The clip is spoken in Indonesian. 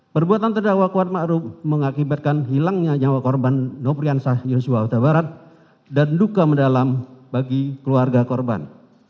perbuatan terdakwa kuat makrup mengakibatkan hilangnya nyawa korban nopriansah yusuf w t barat dan duka mendalam bagi keluarga korban